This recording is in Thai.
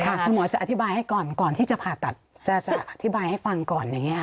คุณหมอจะอธิบายให้ก่อนก่อนที่จะผ่าตัดจะอธิบายให้ฟังก่อนอย่างนี้ค่ะ